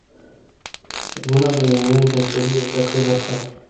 غږونه د یوې نوې تجربې او زده کړې برخه ده.